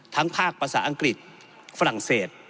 ภาคภาษาอังกฤษฝรั่งเศส